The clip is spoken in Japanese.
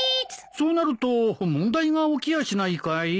そうなると問題が起きやしないかい？